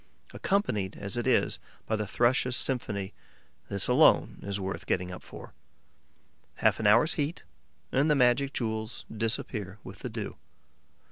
Accompanied as it is by the Thrushes' symphony, this alone is worth getting up for. Half an hour's heat; and the magic jewels disappear with the dew.